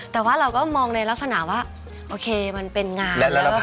แต่ว่าเราก็มองในลักษณะว่าโอเคมันเป็นงานถึงจริงแหละป่ะ